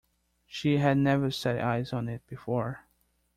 She had never set eyes on it before.